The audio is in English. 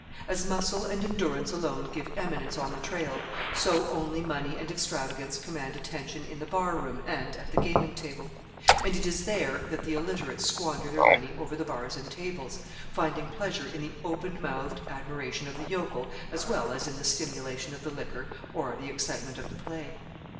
As muscle and endurance alone give eminence on the trail, so only money and extravagance command attention in the bar room and at the gaming table; and it is there that the illiterate squander their money over the bars and tables, finding pleasure in the open mouthed admiration of the yokel as well as in the stimulation of the liquor or the excitement of the play.